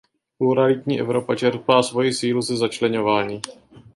Pluralitní Evropa čerpá svoji sílu ze začleňování.